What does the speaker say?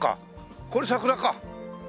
これ桜か。